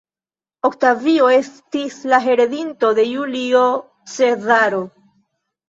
Oktavio estis la heredinto de Julio Cezaro.